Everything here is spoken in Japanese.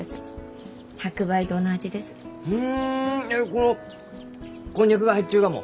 このこんにゃくが入っちゅうがも？